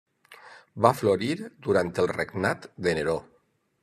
Va florir durant el regnat de Neró.